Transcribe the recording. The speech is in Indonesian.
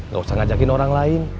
gak usah ngajakin orang lain